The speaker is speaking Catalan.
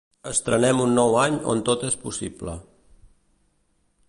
Estrenem un nou any on tot és possible.